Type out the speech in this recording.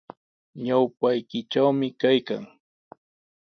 Ñawpaykitrawmi kaykan.